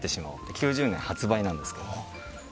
９０年発売なんですけど。